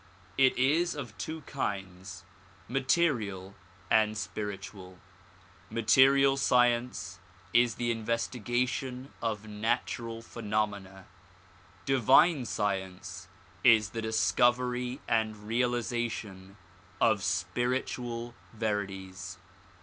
It is of two kinds, material and spiritual. Material science is the investi gation of natural phenomena; divine science is the discovery and realization of spiritual verities.